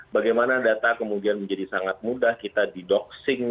bagaimana data kemudian menjadi sangat mudah kita didoxing